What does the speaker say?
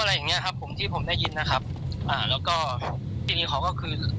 อะไรอย่างเงี้ยครับผมที่ผมได้ยินนะครับอ่าแล้วก็ทีนี้เขาก็คือ